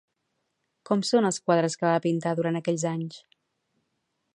Com són els quadres que va pintar durant aquells anys?